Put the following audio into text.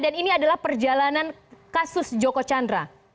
dan ini adalah perjalanan kasus joko chandra